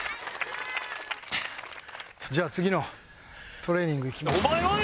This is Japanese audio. じゃあ次のトレーニングいきましょう。